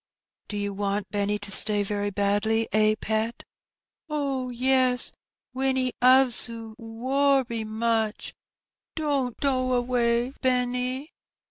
" Do you want Benny to stay very badly, eh, pet ?" "Oh, yes, Winnie 'oves 'oo werry much; don't do away, Benny."